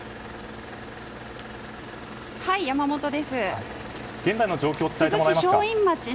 山本です。